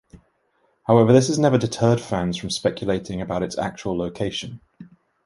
However, this has never deterred fans from speculating about its actual location.